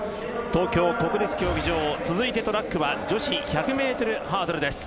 東京国立競技場、続いてトラックは女子１００ｍハードルです。